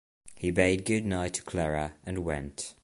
He bade good-night to Clara, and went.